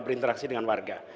berinteraksi dengan warga